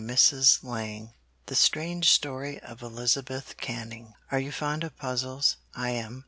[Tlingit story.] THE STRANGE STORY OF ELIZABETH CANNING Are you fond of puzzles? I am.